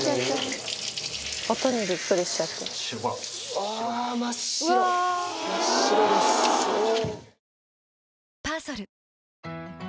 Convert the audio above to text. あぁ真っ白真っ白ですおぉ。